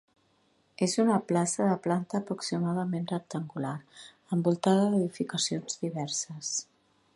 És una plaça de planta aproximadament rectangular, envoltada d'edificacions diverses.